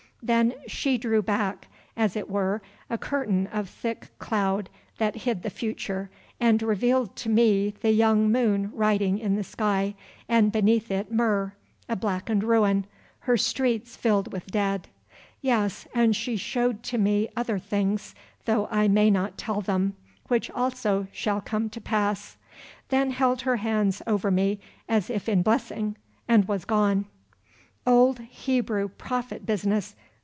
Then she drew back, as it were, a curtain of thick cloud that hid the future and revealed to me the young moon riding the sky and beneath it Mur, a blackened ruin, her streets filled with dead. Yes, and she showed to me other things, though I may not tell them, which also shall come to pass, then held her hands over me as if in blessing, and was gone." "Old Hebrew prophet business!